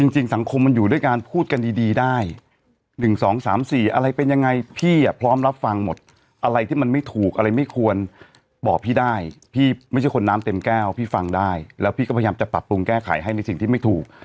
จริงสังคมมันอยู่ด้วยการพูดกันดีได้๑๒๓๔อะไรเป็นยังไงพี่พร้อมรับฟังหมดอะไรที่มันไม่ถูกอะไรไม่ควรบอกพี่ได้พี่ไม่ใช่คนน้ำเต็มแก้วพี่ฟังได้แล้วพี่ก็พยายามจะปรับปรุงแก้ไขให้ในสิ่งที่ไม่ถูก